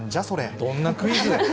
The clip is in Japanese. どんなクイズ。